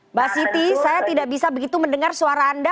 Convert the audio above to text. mbak siti saya tidak bisa begitu mendengar suara anda